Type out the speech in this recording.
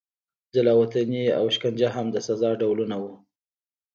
جلا وطني او شکنجه هم د سزا ډولونه وو.